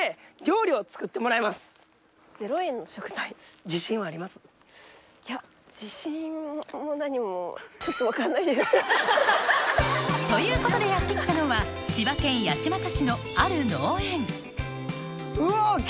０円の食材？ということでやって来たのは千葉県八街市のある農園うわ。